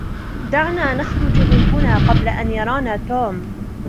دعنا نخرج من هنا قبل أن يرانا توم.